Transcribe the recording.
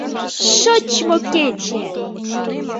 ШОЧМО КЕЧЕ